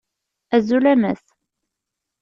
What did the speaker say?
Azul a Mass!